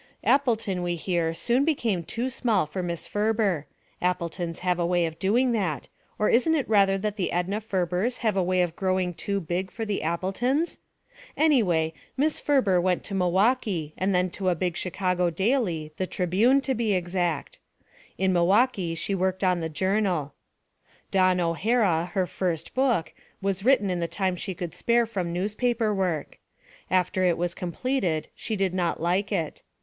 Appleton, we hear, soon became too small for Miss Ferber. Appletons have a way of doing that, or isn't it rather that the Edna Ferbers have a way of growing too big for the Appletons? Anyway, Miss Ferber went to Milwau kee and then to a big Chicago daily, the Tribune, to be exact. In Milwaukee she worked on the Journal. Dawn O'Hara, her first book, was written in the time she could spare from newspaper work. After it was completed she did not like it.